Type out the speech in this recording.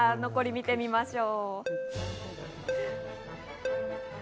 残りを見てみましょう。